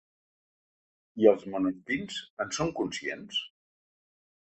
I els menorquins, en són conscients?